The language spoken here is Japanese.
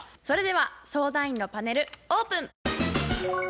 それでは相談員のパネルオープン。